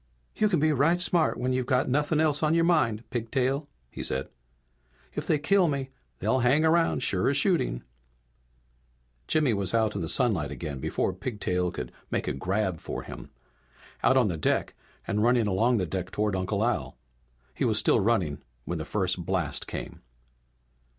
"You can be right smart when you've got nothing else on your mind, Pigtail," he said. "If they kill me they'll hang sure as shooting!" Jimmy was out in the sunlight again before Pigtail could make a grab for him. Out on the deck and running along the deck toward Uncle Al. He was still running when the first blast came.